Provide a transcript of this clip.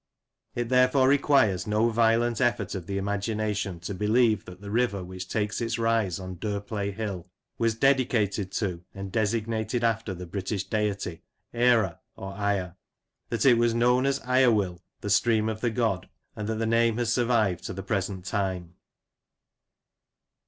It therefore requires no violent effort of the imagin ation to believe that the river which takes its rise on Derplay Hill was dedicated to and designated after the British Deity Eire, or Ire — ^that it was known as Ire will, the stream of the god — and that the name has survived to the present time.